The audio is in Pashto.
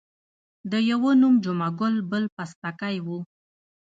د یوه نوم جمعه ګل بل پستکی وو.